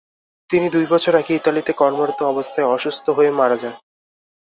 তিনি দুই বছর আগে ইতালিতে কর্মরত অবস্থায় অসুস্থ হয়ে মারা যান।